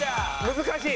難しい！